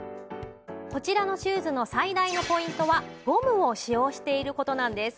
こちらのシューズの最大のポイントはゴムを使用している事なんです。